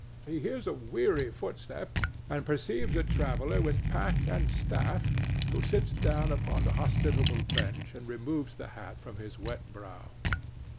He hears a weary footstep, and perceives a traveller with pack and staff, who sits down upon the hospitable bench and removes the hat from his wet brow.